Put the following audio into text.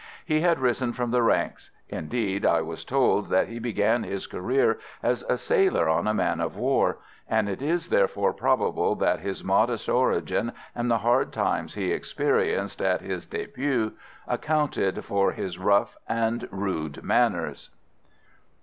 He had risen from the ranks indeed, I was told that he began his career as a sailor on a man of war and it is therefore probable that his modest origin and the hard times he experienced at his début accounted for his rough and rude manners.